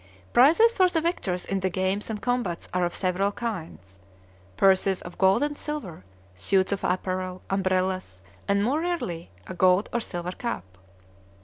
Prizes for the victors in the games and combats are of several kinds, purses of gold and silver, suits of apparel, umbrellas, and, more rarely, a gold or silver cup.